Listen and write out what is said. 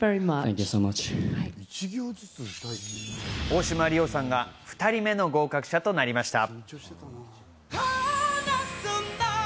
大島莉旺さんが２人目の合格者となりました。